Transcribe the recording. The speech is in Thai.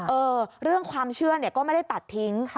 เออเรื่องความเชื่อก็ไม่ได้ตัดทิ้ง